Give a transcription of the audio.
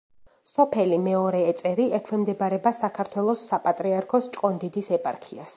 სოფელი მეორე ეწერი ექვემდებარება საქართველოს საპატრიარქოს ჭყონდიდის ეპარქიას.